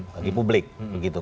bagi publik begitu